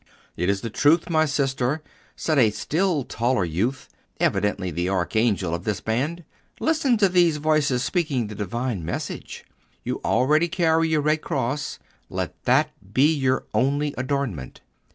"It is the truth, my sister," said a still taller youth, evidently the archangel of this band. "Listen to these voices speaking the divine message. You already carry a red cross: let that be your only adornment.